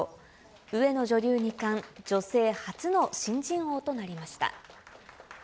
上野女流二冠、女性初の新人王となりました。